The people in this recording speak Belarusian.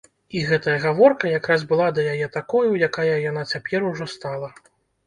І гэтая гаворка якраз была да яе такою, якая яна цяпер ужо стала.